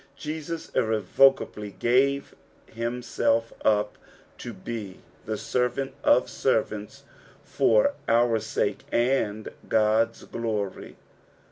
Jesus irrevocably gave himself up to be the servant of servants for our sake and God's glory.